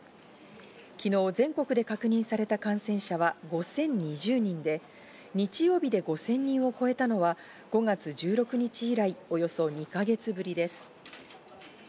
昨日全国で確認された感染者は５０２０人で、日曜日で５０００人を超えたのは５月１６日以来、およそ２か月ぶりです。